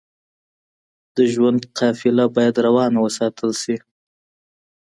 د ژوند قافله بايد روانه وساتل شئ.